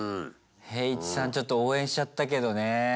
ヘーイチさんちょっと応援しちゃったけどね。